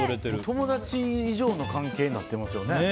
友達以上の関係になってますよね。